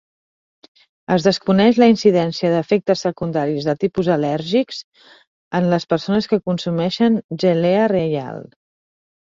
Es desconeix la incidència d'efectes secundaris de tipus al·lèrgics en les persones que consumeixen gelea reial.